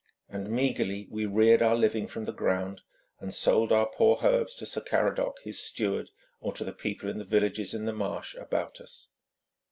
And meagrely we reared our living from the ground, and sold our poor herbs to Sir Caradoc his steward, or to the people in the villages in the marsh about us.